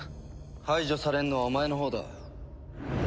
排除されるのはお前のほうだ。